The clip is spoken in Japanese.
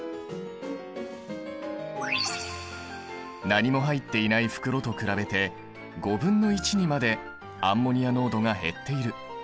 何も入っていない袋と比べて５分の１にまでアンモニア濃度が減っている。